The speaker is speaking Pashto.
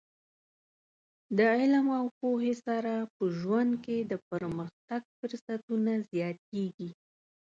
د علم او پوهې سره په ژوند کې د پرمختګ فرصتونه زیاتېږي.